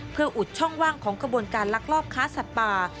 เพื่ออุดช่องว่างของกระบวนการลักลอบค้าสัตว์ป่า